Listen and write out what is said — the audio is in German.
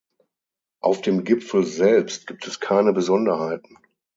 Auf dem Gipfel selbst gibt es keine Besonderheiten.